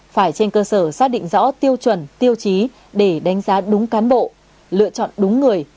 phải trên cơ sở xác định rõ tiêu chuẩn tiêu chí để đánh giá đúng cán bộ lựa chọn đúng người